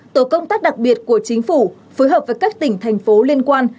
tổ công tác đặc biệt của chính phủ phối hợp với các tỉnh thành phố liên quan